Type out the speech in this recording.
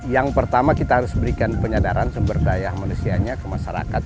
yang pertama kita harus berikan penyadaran sumber daya manusianya ke masyarakat